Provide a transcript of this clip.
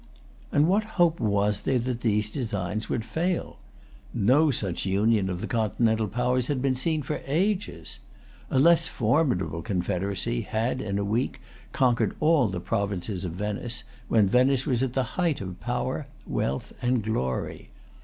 And what hope was there that these designs would fail? No such union of the Continental powers had been seen for ages. A less formidable confederacy had in a week conquered all the provinces of Venice, when Venice was at the height of power, wealth, and glory.